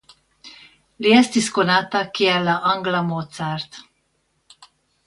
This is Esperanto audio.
Li estis konata kiel la «angla Mozart».